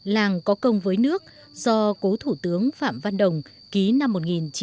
làng có công với nước do cố thủ tướng phạm văn đồng ký năm một nghìn chín trăm bảy mươi